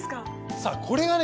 さぁこれがね